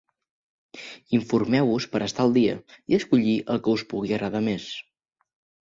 Informeu-vos per estar al dia i escollir el que us pugui agradar més.